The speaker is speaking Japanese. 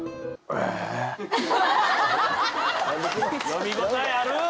読み応えある！